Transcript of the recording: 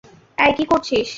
এই, কী করছিস।